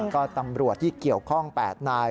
ก็ตำรวจที่เกี่ยวข้อง๘นาย